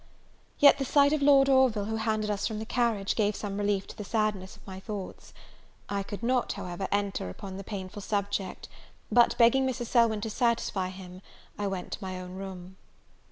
Yet the sight of Lord Orville, who handed us from the carriage, gave some relief to the sadness of my thoughts. I could not, however, enter upon the painful subject; but, begging Mrs. Selwyn to satisfy him, I went to my own room.